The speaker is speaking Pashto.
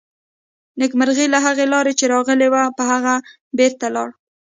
نېکمرغي له هغې لارې چې راغلې وه، په هغې بېرته لاړه.